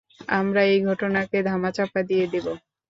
আমরা এই ঘটনাকে ধামাচাপা দিয়ে দেব।